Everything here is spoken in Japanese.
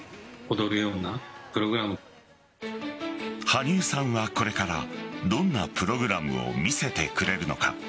羽生さんはこれからどんなプログラムを見せてくれるのか。